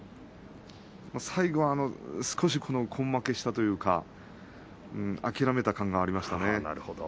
最後は少し根負けしたというか諦めた感がありましたね。